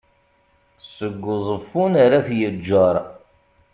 seg uẓeffun ar at yeğğer